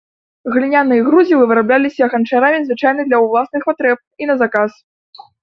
Гліняныя грузілы вырабляліся ганчарамі звычайна для ўласных патрэб і на заказ.